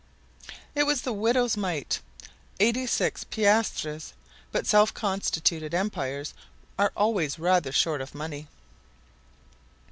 It was the widow's mite—eighty six piastres; but self constituted empires are always rather short of money.